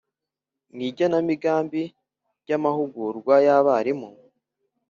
mu igenamigambi ry amahugurwa y abarimu